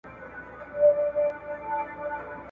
په غبرګو سترګو چي ساقي وینم مینا ووینم ,